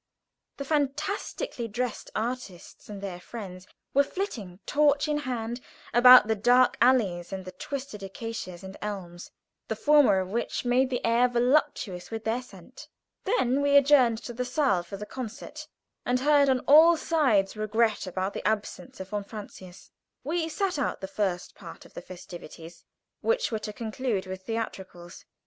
The fantastically dressed artists and their friends were flitting, torch in hand, about the dark alleys under the twisted acacias and elms, the former of which made the air voluptuous with their scent. Then we adjourned to the saal for the concert, and heard on all sides regrets about the absence of von Francius. We sat out the first part of the festivities, which were to conclude with theatricals.